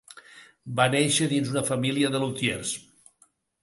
Va néixer dins una família de lutiers.